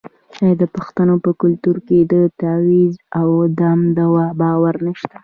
آیا د پښتنو په کلتور کې د تعویذ او دم دعا باور نشته؟